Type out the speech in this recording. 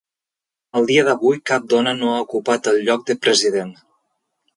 Al dia d'avui, cap dona no ha ocupat el lloc de President.